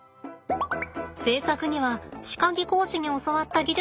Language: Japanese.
制作には歯科技工士に教わった技術を使います。